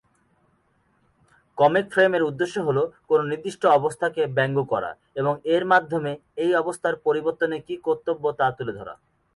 Comic ফ্রেমের উদ্দেশ্য হল কোন নির্দিষ্ট অবস্থাকে ব্যঙ্গ করা এবং এর মাধ্যমে এই অবস্থার পরিবর্তনে কি কর্তব্য তা তুলে ধরা।